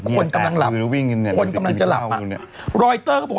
คนกำลังจะหลับ